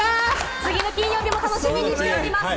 次の金曜日も楽しみにしております。